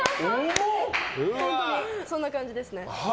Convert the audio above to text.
そんな感じですね。